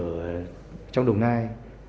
ở trong đồng nai